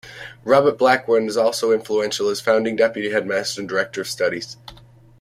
Robert Blackburn was also influential as founding Deputy Headmaster and Director of Studies.